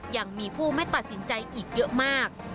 ยังมีผู้ไม่ตัดสินใจอีกเยอะมาก